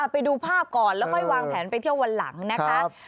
ไปดูภาพก่อนแล้วค่อยวางแผนไปเที่ยววันหลังนะคะ